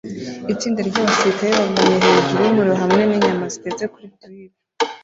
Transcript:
Itsinda ryabasirikare barunamye hejuru yumuriro hamwe ninyama zitetse kuri grill